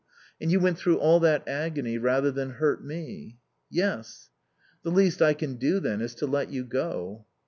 "And you went through all that agony rather than hurt me." "Yes." "The least I can do, then, is to let you go."